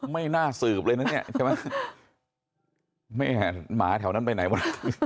ไม่น่าสืบเลยนะเนี่ยใช่ไหมแม่หมาแถวนั้นไปไหนวะ